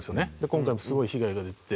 今回もすごい被害が出てて。